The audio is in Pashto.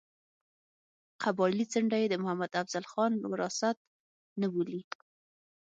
قبایلي څنډه یې د محمد افضل خان وراثت نه بولي.